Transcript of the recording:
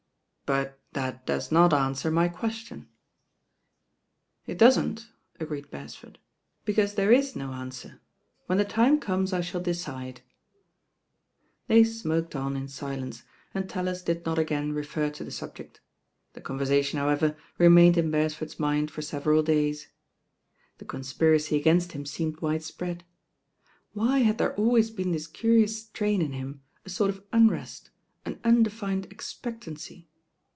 But that does not answer my question." It doesn't/' agreed Beresford, "because there's no answer. When the time comes I shaU decide " They smoked on in sUence, and TaUis did not y tgam refer to the subject. The conversation, how ever, remained in Beresford's mind for several days. T^e conspiracy against him seemed widespread. Why had there always been this curious strain in ftim, a sort of unrest, an undefined expectancy?